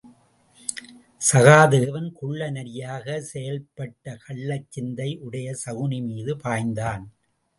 சகாதேவன் குள்ள நரியாகச் செயல்பட்ட கள்ளச்சிந்தை உடைய சகுனி மீது பாய்ந்தான்.